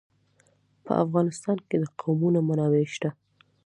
په افغانستان کې د قومونه منابع شته.